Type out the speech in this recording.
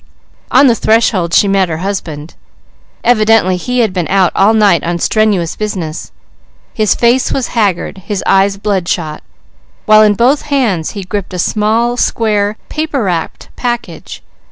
On the threshold she met her husband. Evidently he had been out all night on strenuous business. His face was haggard, his eyes bloodshot, while in both hands he gripped a small, square paper wrapped package.